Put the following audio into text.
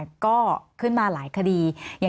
มีความรู้สึกว่าเสียใจ